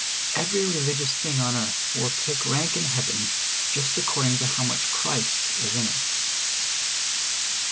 Every religious thing on earth will take rank in heaven just according to how much Christ is in it.